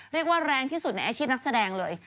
เรียกว่าแรงที่สุดในอาชีพนักแสดงเลย